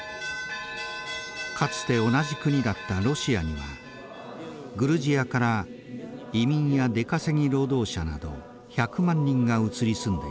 かつて同じ国だったロシアにはグルジアから移民や出稼ぎ労働者など１００万人が移り住んでいます。